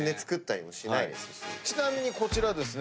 ちなみにこちらですね